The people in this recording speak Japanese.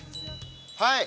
はい。